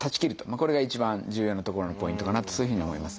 これが一番重要なところのポイントかなとそういうふうに思います。